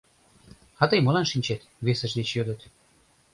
«А тый молан шинчет?» — весыж деч йодыт.